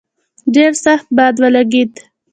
ډېر سخت باد ولګېد.